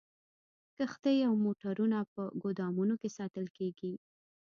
کښتۍ او موټرونه په ګودامونو کې ساتل کیږي